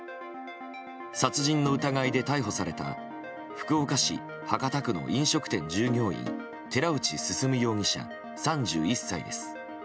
殺人の疑いで逮捕された福岡市博多区の飲食店従業員寺内進容疑者、３１歳です。